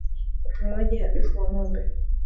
Upumuaji hafifu wa ngombe